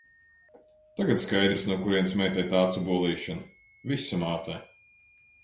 Tagad skaidrs, no kurienes meitai tā acu bolīšana – visa mātē.